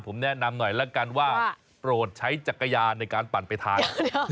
ผมแนะนำหน่อยละกันว่าโปรดใช้จักรยานในการปั่นไปทาน